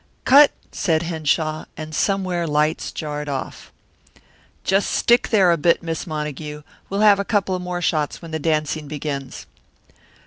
"Cut!" said Henshaw, and somewhere lights jarred off. "Just stick there a bit, Miss Montague. We'll have a couple more shots when the dancing begins."